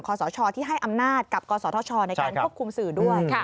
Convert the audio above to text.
สชที่ให้อำนาจกับกศธชในการควบคุมสื่อด้วย